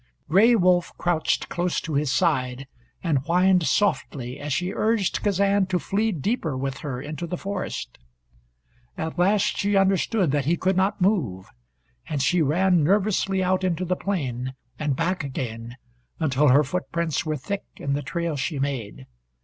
Gray Wolf crouched close to his side, and whined softly as she urged Kazan to flee deeper with her into the forest. At last she understood that he could not move, and she ran nervously out into the plain, and back again, until her footprints were thick in the trail she made.